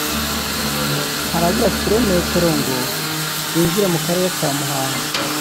harabura kilometero ngo binjire mu Karere ka Muhanga